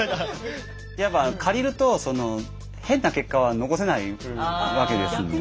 やっぱ借りると変な結果は残せないわけですんで。